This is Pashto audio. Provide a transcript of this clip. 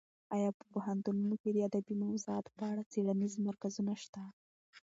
ایا په پوهنتونونو کې د ادبي موضوعاتو په اړه څېړنیز مرکزونه شته؟